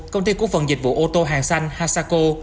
công ty cổ phần dịch vụ ô tô hàng xanh hasako